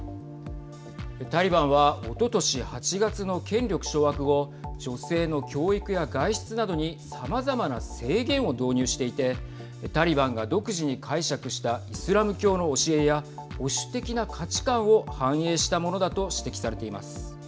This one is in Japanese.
タリバンはおととし８月の権力掌握後女性の教育や外出などにさまざまな制限を導入していてタリバンが独自に解釈したイスラム教の教えや保守的な価値観を反映したものだと指摘されています。